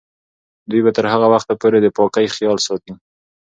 دوی به تر هغه وخته پورې د پاکۍ خیال ساتي.